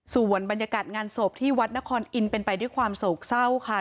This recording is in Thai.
ส่วนบรรยากาศงานศพที่วัดนครอินทร์เป็นไปด้วยความโศกเศร้าค่ะ